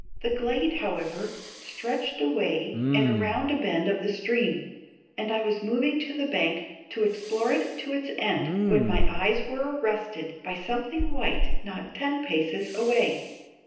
The glade, however, stretched away and around a bend of the stream, and I was moving to the bank to explore it to its end when my eyes were arrested by something white not ten paces away.